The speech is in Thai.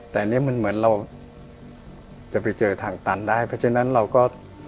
แต่อันนี้มันเหมือนเราจะไปเจอทางตันได้เพราะฉะนั้นเราก็